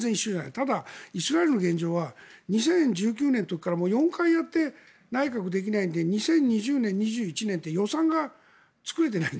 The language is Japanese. ただ、イスラエルの現状は２０１９年の時から４回やって内閣できないので２０２０年、２０２１年と予算が作れていない。